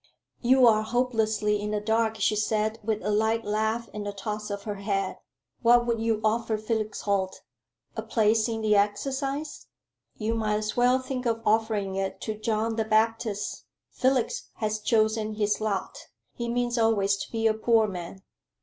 "You are hopelessly in the dark," she said, with a light laugh and toss of her head. "What would you offer Felix Holt? a place in the Excise? You might as well think of offering it to John the Baptist. Felix has chosen his lot. He means always to be a poor man."